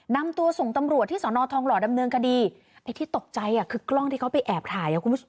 นำตัวส่งตำรวจที่สนทองหล่อดำเนินกดีที่ตกใจคือกล้องที่เขาไปแอบถ่าย